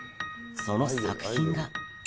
その作品が。